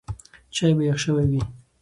چای به یخ شوی وي.